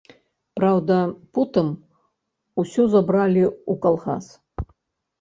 Праўда, потым усё забралі ў калгас.